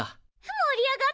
盛り上がってきた！